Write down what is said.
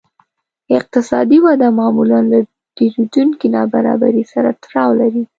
اقتصادي وده معمولاً له ډېرېدونکې نابرابرۍ سره تړاو لري